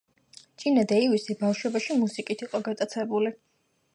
ჯინა დეივისი ბავშვობაში მუსიკით იყო გატაცებული.